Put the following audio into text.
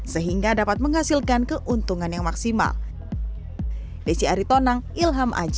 sehingga dapat menghasilkan keuntungan yang maksimal